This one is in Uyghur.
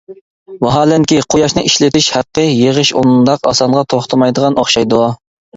ۋاھالەنكى، قۇياشنى ئىشلىتىش ھەققى يىغىش ئۇنداق ئاسانغا توختىمايدىغان ئوخشايدۇ.